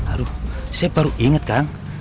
aduh saya baru inget kang